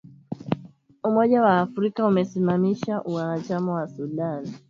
umoja wa Afrika umeisimamisha uanachama wa Sudan